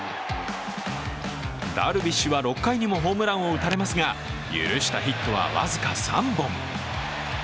ダルビッシュは６回にもホームランを打たれますが許したヒットは僅か３本。